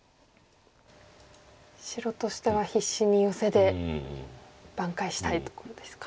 白としては必死にヨセで挽回したいところですか。